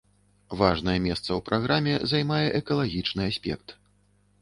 Важнае месца ў праграме займае экалагічны аспект.